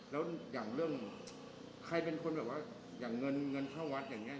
แล้วอย่างเรื่องใครเป็นคนแบบว่าอย่างเงินเงินเข้าวัดอย่างนี้